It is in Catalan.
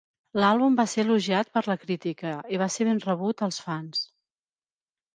L'àlbum va ser elogiat per la crítica i va ser ben rebut als fans.